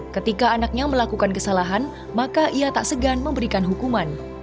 ketika anaknya melakukan kesalahan maka ia tak segan memberikan hukuman